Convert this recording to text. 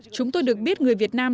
chúng tôi được biết người việt nam